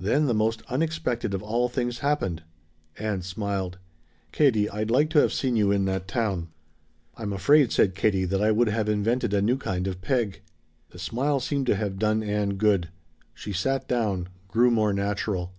Then the most unexpected of all things happened. Ann smiled. "Katie, I'd like to have seen you in that town!" "I'm afraid," said Katie, "that I would have invented a new kind of peg." The smile seemed to have done Ann good. She sat down, grew more natural.